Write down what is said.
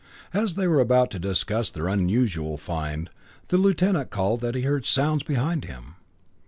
As they were about to discuss their unusual find, the Lieutenant called that he heard sounds behind him.